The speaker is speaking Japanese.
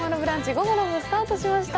午後の部スタートしました。